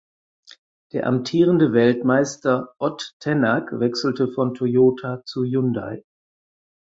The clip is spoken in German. Der amtierende Weltmeister Ott Tänak wechselte von Toyota zu Hyundai.